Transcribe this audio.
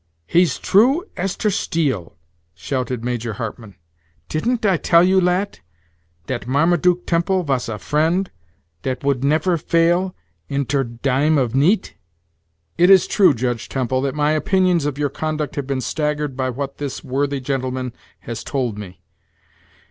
"He's true as ter steel!" shouted Major Hartmann; "titn't I tell you, lat, dat Marmatuke Temple vas a friend dat woult never fail in ter dime as of neet?" "It is true, Judge Temple, that my opinions of your conduct have been staggered by what this worthy gentle man has told me.